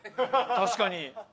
確かに。